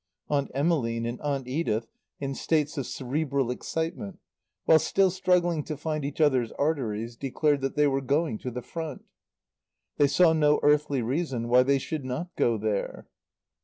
Aunt Emmeline and Aunt Edith, in states of cerebral excitement, while still struggling to find each other's arteries, declared that they were going to the Front. They saw no earthly reason why they should not go there.